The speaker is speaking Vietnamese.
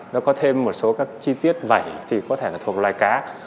nó có thêm một số các chi tiết vảy thì có thể là thuộc loài cá